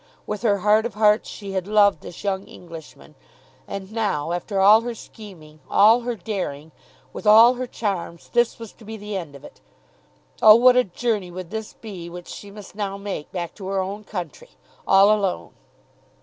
With her heart of hearts she had loved this young Englishman; and now, after all her scheming, all her daring, with all her charms, this was to be the end of it! Oh, what a journey would this be which she must now make back to her own country, all alone!